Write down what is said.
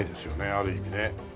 ある意味ね。